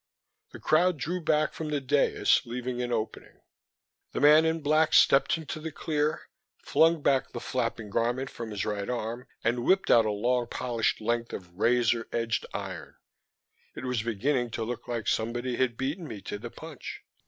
The crowd drew back from the dias leaving an opening. The man in black stepped into the clear, flung back the flapping garment from his right arm, and whipped out a long polished length of razor edged iron. It was beginning to look like somebody had beaten me to the punch.